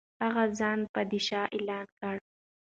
هغه ځان پادشاه اعلان کړ.